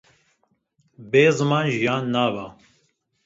Bê ziman jiyan nabe.